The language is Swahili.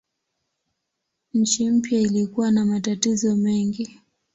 Nchi mpya ilikuwa na matatizo mengi.